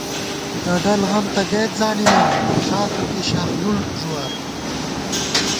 ڈَڈل غم تہ گئیت زانِمېم، ݭا څُوکی شاخلُڑ ݫُوات